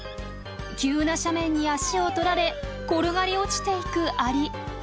急な斜面に足を取られ転がり落ちていくアリ。